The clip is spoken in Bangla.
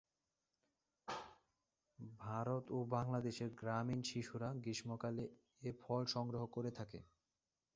ভারত ও বাংলাদেশের গ্রামীণ শিশুরা গ্রীষ্মকালে এ ফল সংগ্রহ করে থাকে।